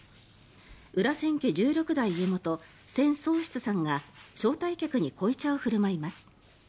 裏千家１６代家元千宗室さんが招待客に濃茶を振る舞います。